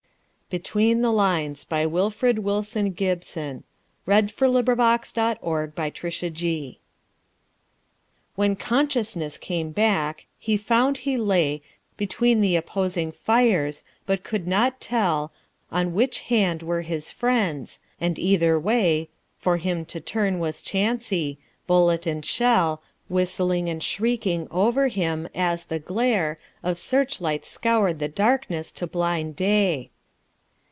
so good here stands my creed God's good indeed. Winifred M. Letts BETWEEN THE LINES When consciousness came back, he found he lay Between the opposing fires, but could not tell On which hand were his friends; and either way For him to turn was chancy bullet and shell Whistling and shrieking over him, as the glare Of searchlights scoured the darkness to blind day.